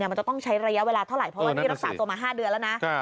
มันจะต้องใช้ระยะเวลาเท่าไหร่เพราะว่านี่รักษาตัวมา๕เดือนแล้วนะ